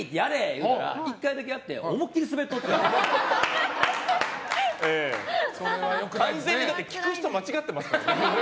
言うたら１回だけやって完全に聞く人間違ってますよ。